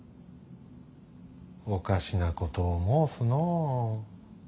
おかしなことを申すのう。